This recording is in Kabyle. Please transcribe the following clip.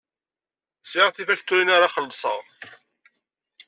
Sɛiɣ tifakturin ara xellṣeɣ.